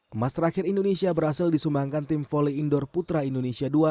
emas terakhir indonesia berhasil disumbangkan tim volley indoor putra indonesia ii